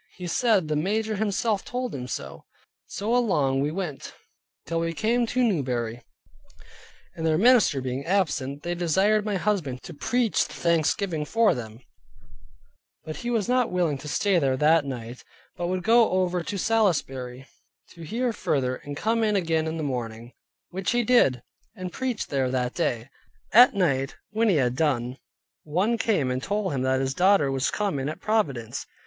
He said the major himself told him so. So along we went till we came to Newbury; and their minister being absent, they desired my husband to preach the thanksgiving for them; but he was not willing to stay there that night, but would go over to Salisbury, to hear further, and come again in the morning, which he did, and preached there that day. At night, when he had done, one came and told him that his daughter was come in at Providence.